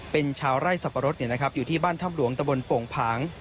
เป็นชาวไร่สัปปะรดเนี่ยนะครับอยู่ที่บ้านถ้ำหลวงตะบนโป่งพาง